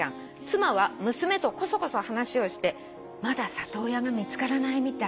「妻は娘とコソコソ話をして『まだ里親が見つからないみたい』